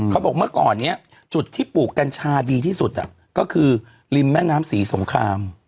เขาบอกเมื่อก่อนนี้จุดที่ปลูกกัญชาดีที่สุดก็คือริมแม่น้ำศรีสงคราม